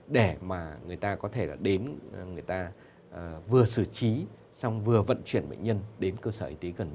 để mà người ta có thể là đến người ta vừa xử trí xong vừa vận chuyển bệnh nhân đến cơ sở y tế gần